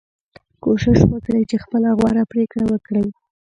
کوشش وکړئ چې خپله غوره پریکړه وکړئ.